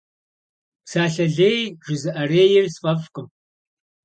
Псалъэ лей жызыӏэрейр сфӏэфӏкъым.